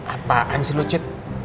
apaan sih lucu